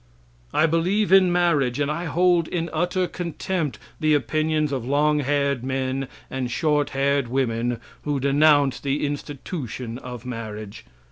I believe in marriage, and I hold in utter contempt the opinions of long haired men and short haired women who denounce the institution of marriage.